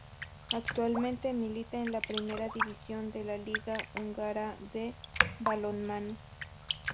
Actualmente milita en la Primera División de la liga húngara de balonmano.